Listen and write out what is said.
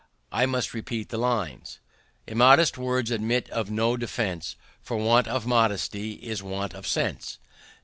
I must repeat the lines, "Immodest words admit of no defense, For want of modesty is want of sense."